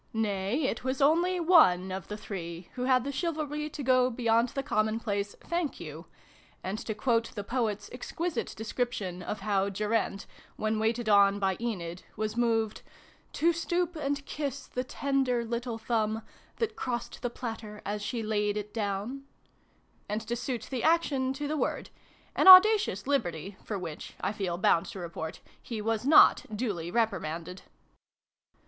Nay, it was only one of the three who had the chivalry to go 272 SYLVIE AND BRUNO CONCLUDED. beyond the common place " thank you," and to quote the Poet's exquisite description of how Geraint, when waited on by Enid, was moved " To stoop and kiss the tender little thumb TJiat crossed the platter as she laid it down" and to suit the action to the word an auda cious liberty for which, I feel bound to report, he was not duly reprimanded.